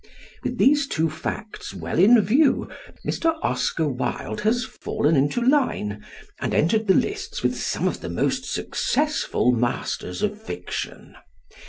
With these two facts well in view, Mr. Oscar Wilde has fallen into line, and entered the lists with some of the most successful masters of fiction.